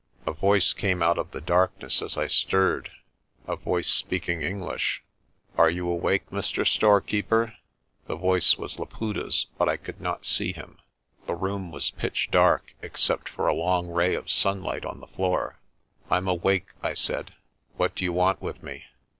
A voice came out of the darkness as I stirred a voice speaking English. "Are you awake, Mr. Storekeeper?' The voice was Laputa's but I could not see him. The room was pitch dark, except for a long ray of sunlight on the floor. "Pm awake," I said. "What do you want with me?